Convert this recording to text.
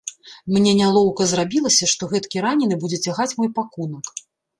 Мне нялоўка зрабілася, што гэткі ранены будзе цягаць мой пакунак.